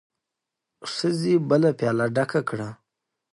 ښځې بله پياله ډکه کړه.